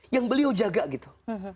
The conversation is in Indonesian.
yang beliau jaga gitu